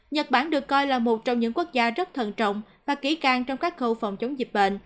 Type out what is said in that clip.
nhật bản được coi là một trong những quốc gia rất thận trọng và kỹ càng trong các khâu phòng chống dịch bệnh